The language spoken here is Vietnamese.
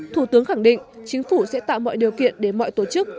thủ tướng khẳng định chính phủ sẽ tạo mọi điều kiện để mọi tổ chức